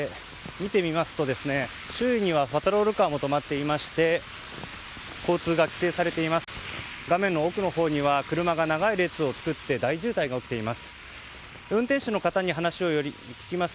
見てみますと周囲にはパトロールカーも止まっていまして交通が規制されています。